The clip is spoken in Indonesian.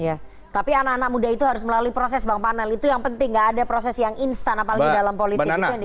iya tapi anak anak muda itu harus melalui proses bang panel itu yang penting gak ada proses yang instan apalagi dalam politik itu yang di